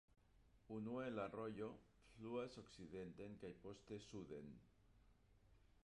Unue la rojo fluas okcidenten kaj poste suden.